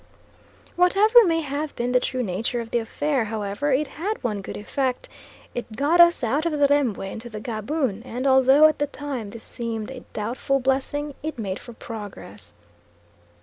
Whatever may have been the true nature of the affair, however, it had one good effect, it got us out of the Rembwe into the Gaboon, and although at the time this seemed a doubtful blessing, it made for progress.